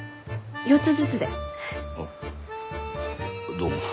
どうも。